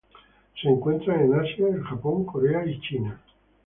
Se encuentran en Asia: el Japón, Corea y China.